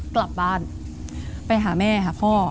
กลับบ้านไปหาแม่หาพ่อ